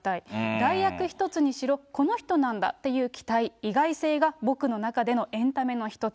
代役一つにしろ、この人なんだという期待、意外性が、僕の中でのエンタメの一つ。